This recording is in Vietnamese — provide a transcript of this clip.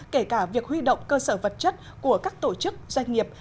kể cả việc huy động cơ sở vật chất của các tổ chức doanh nghiệp